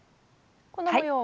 この模様は？